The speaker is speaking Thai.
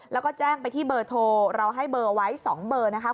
แล้วก็แจ้งไปที่เบอร์โทรเราให้เบอร์ไว้๒เบอร์นะคะ